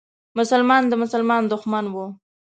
مسلمان د مسلمان دښمن و.